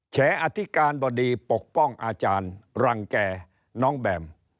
แฉอธิการบดีปกป้องอาจารย์รังแก่น้องแบม